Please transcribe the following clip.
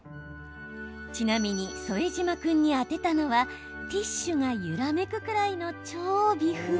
ちなみに副島君に当てたのはティッシュが揺らめくくらいの超微風。